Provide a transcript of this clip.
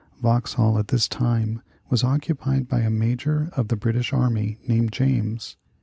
Vauxhall at this time was occupied by a major of the British army named James.